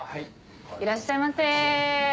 いらっしゃいませ。